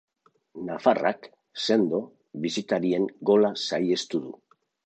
Nafarrak, sendo, bisitarien gola saihestu du.